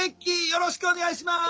よろしくお願いします！